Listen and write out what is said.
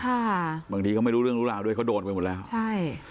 ค่ะบางทีเขาไม่รู้เรื่องรู้ราวด้วยเขาโดนไปหมดแล้วใช่